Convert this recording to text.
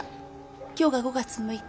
今日が５月６日